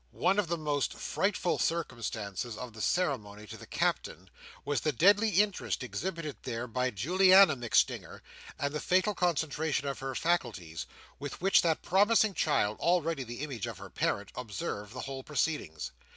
One of the most frightful circumstances of the ceremony to the Captain, was the deadly interest exhibited therein by Juliana MacStinger; and the fatal concentration of her faculties, with which that promising child, already the image of her parent, observed the whole proceedings.